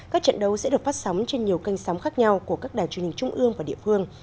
các trận đấu sẽ được phát sóng trên nhiều kênh sóng khác nhau của các đài truyền hình trung ương và địa phương